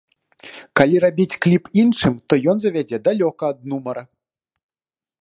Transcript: Калі рабіць кліп іншым, то ён завядзе далёка ад нумара.